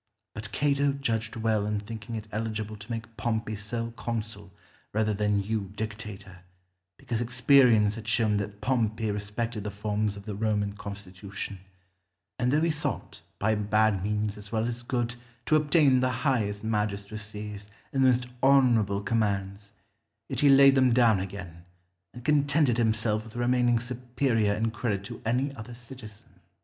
But Cato judged well in thinking it eligible to make Pompey sole consul rather than you dictator, because experience had shown that Pompey respected the forms of the Roman constitution; and though he sought, by bad means as well as good, to obtain the highest magistracies and the most honourable commands, yet he laid them down again, and contented himself with remaining superior in credit to any other citizen.